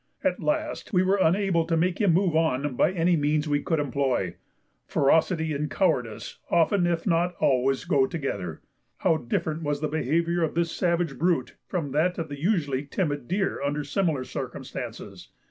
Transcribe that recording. At last we were unable to make him move on by any means we could employ. Ferocity and cowardice, often if not always, go together. How different was the behaviour of this savage brute from that of the usually timid deer under similar circumstances.